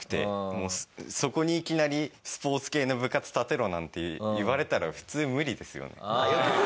もうそこにいきなりスポーツ系の部活立てろなんて言われたら。